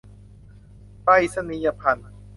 ไปรษณีย์ภัณฑ์